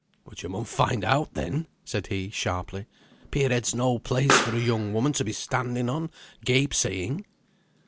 "But you mun find out then," said he, sharply, "pier head's no place for a young woman to be standing on, gape saying."